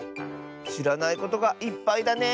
しらないことがいっぱいだね。